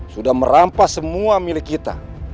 sudah merampas semua milik kita